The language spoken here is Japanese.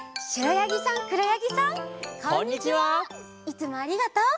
いつもありがとう！